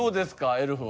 エルフは。